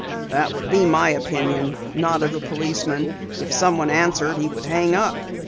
"That would be my opinion," nodded the policeman. "If someone answered, he could hang up.